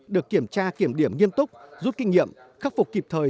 được kiểm tra kiểm điểm nghiêm túc rút kinh nghiệm khắc phục kịp thời